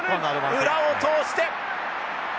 裏を通して。